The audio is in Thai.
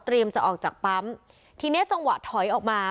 จะออกจากปั๊มทีเนี้ยจังหวะถอยออกมา